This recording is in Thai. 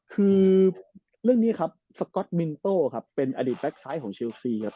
คือเรื่องนี้ครับสก๊อตมินโต้ครับเป็นอดีตแบ็คซ้ายของเชลซีครับ